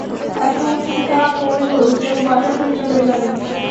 এত ফুটা করবো যে ওয়াটার ফিল্টার হয়ে যাবে।